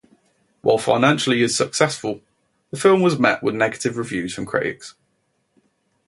While financially successful, the film was met with negative reviews from critics.